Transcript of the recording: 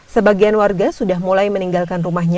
sebagian warga sudah mulai meninggalkan rumahnya